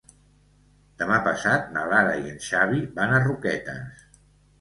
Demà passat na Lara i en Xavi van a Roquetes.